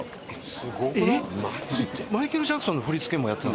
すごいな！